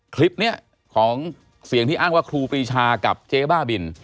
คลิปนี้ของเสียงที่อ้างว่าครูปรีชากับเจ๊บ้าบิน